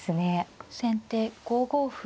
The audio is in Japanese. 先手５五歩。